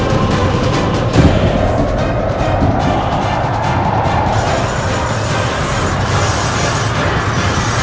dendam dari kubur